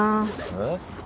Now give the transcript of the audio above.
えっ？